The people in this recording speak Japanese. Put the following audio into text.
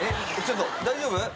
ちょっと大丈夫？